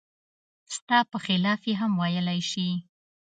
ستا په خلاف یې هم ویلای شي.